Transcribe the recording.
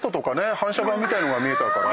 反射板みたいのが見えたから。